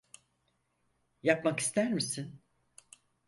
Yapmak ister misin?